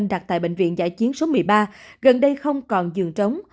đặt tại bệnh viện giả chiến số một mươi ba gần đây không còn giường trống